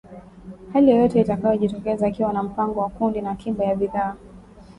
hali yoyote itakayojitokeza ikiwa na mpango wa kuwa na akiba ya bidhaa